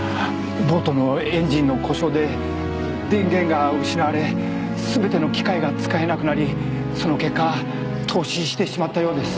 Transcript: ボートのエンジンの故障で電源が失われ全ての機械が使えなくなりその結果凍死してしまったようです。